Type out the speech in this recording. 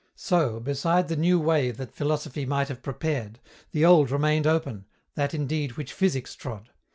So, beside the new way that philosophy might have prepared, the old remained open, that indeed which physics trod.